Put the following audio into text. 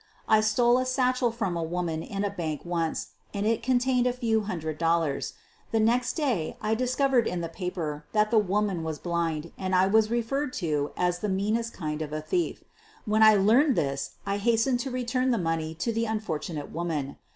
I stole a satchel from a woman in a bank once and it contained a few hundred dollars. The next day I discovered in the paper that the woman was blind and I was referred to as the meanest kind of a thief. When I learned this I hastened to return the money to the unfortu nate woman.